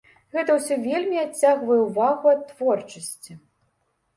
Гэта ўсё вельмі адцягвае ўвагу ад творчасці.